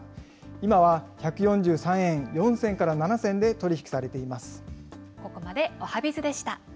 今は１４３円４銭から７銭で取り引きされています。